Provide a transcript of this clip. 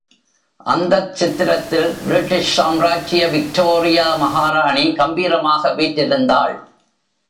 அந்தத் சித்திரத்தில் பிரிட்டிஷ் சாம்ராஜ்ய விக்டோரியா மகாராணி கம்பீரமாக வீற்றிருந்தாள்.